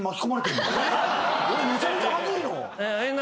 俺めちゃめちゃ恥ずい。